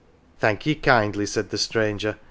" Thank ye kindly," said the stranger.